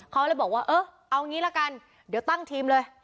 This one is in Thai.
เขาเลยบอกว่าเออเอางี้ละกันเดี๋ยวตั้งทีมเลย